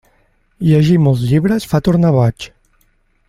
Llegir molts llibres fa tornar boig.